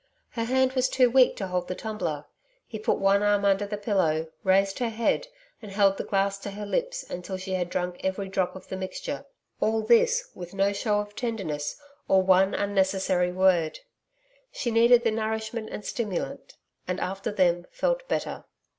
Her hand was too weak to hold the tumbler. He put one arm under the pillow, raised her head and held the glass to her lips until she had drunk every drop of the mixture. All this with no show of tenderness or one unnecessary word. She needed the nourishment and stimulant, and after them felt better.